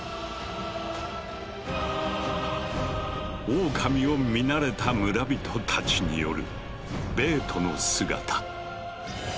オオカミを見慣れた村人たちによるベートの姿。